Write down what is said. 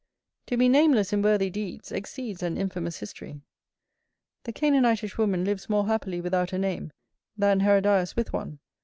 To be nameless in worthy deeds, exceeds an infamous history. The Canaanitish woman lives more happily without a name, than Herodias with one.